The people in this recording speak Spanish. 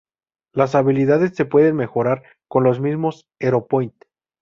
Las habilidades se pueden mejorar con los mismos hero point.